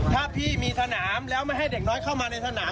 ถ้าพี่มีสนามแล้วไม่ให้เด็กน้อยเข้ามาในสนาม